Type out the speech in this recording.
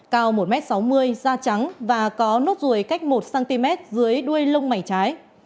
cao một m sáu mươi da trắng và có nốt ruồi cách một cm dưới đuôi lông mảy trái